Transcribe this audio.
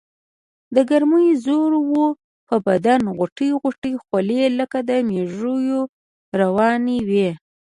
دګرمۍ زور وو پۀ بدن غوټۍ غوټۍ خولې لکه د مېږو روانې وي ـ